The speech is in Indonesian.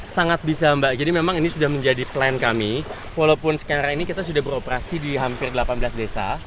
sangat bisa mbak jadi memang ini sudah menjadi plan kami walaupun sekarang ini kita sudah beroperasi di hampir delapan belas desa